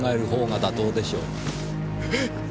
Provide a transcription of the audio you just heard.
えっ！？